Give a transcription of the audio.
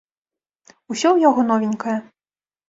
Усё ў яго новенькае.